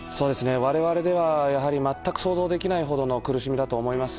我々では全く想像できないほどの苦しみだと思います。